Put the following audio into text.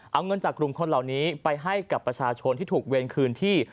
เอาเงินจากกลุ่มคนเหล่านี้ไปให้กับประชาชนที่ถูกเวรคืนที่